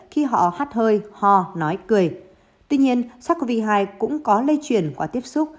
khi họ hát hơi ho nói cười tuy nhiên sars cov hai cũng có lây truyền qua tiếp xúc